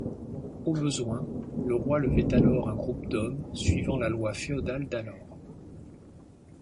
Au besoin, le roi levait alors un groupe d'hommes suivant la loi féodale d'alors.